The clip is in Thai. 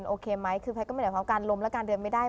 โอเคมั้ยคือแพทย์ก็ไม่เหลือว่าทั้งการล้มและเดินไม่ได้